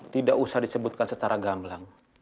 tidak usah disebutkan secara gamblang